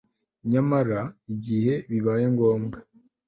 Nyamara igihe bibaye ngombwa